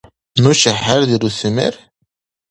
Нуша хӀердируси мер?